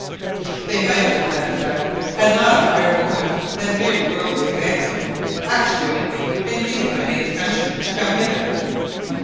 "They might have had that effect had not a higher motive than mere worldly advancement actuated me in leaving my native country to come hither.